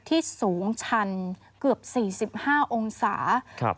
ที่สูงชันเกือบ๔๕องศา